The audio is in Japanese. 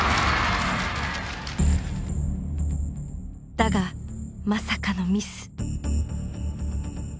だがまさかのミス。